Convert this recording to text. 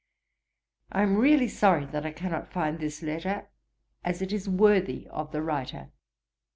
I am really sorry that I cannot find this letter, as it is worthy of the writer.